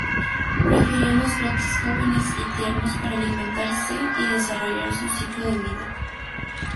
Prefieren los brotes jóvenes y tiernos para alimentarse y desarrollar su ciclo de vida.